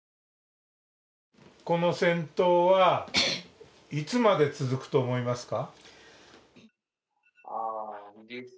この戦闘は、いつまで続くと思いますか？